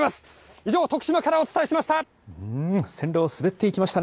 以上、徳島からお伝えしました。